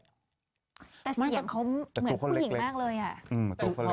แต่เสียงเขาเหมือนผู้หญิงมากเลยอ่ะ